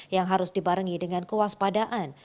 yang harus dibarengkan dengan pencarian yang harus dilakukan